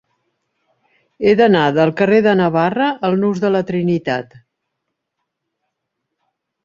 He d'anar del carrer de Navarra al nus de la Trinitat.